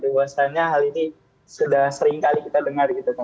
bahwasanya hal ini sudah sering kali kita dengar gitu kawan